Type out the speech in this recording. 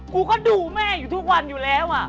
กูก็ดูแม่ทุกวันอยู่แล้วอ่ะ